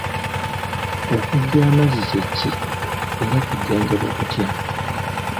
Okuggya amazzi kye ki era kujjanjabwa kutya?